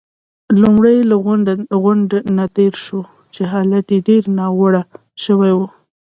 لومړی له غونډ نه تېر شوو، چې حالت يې ډېر ناوړه شوی وو.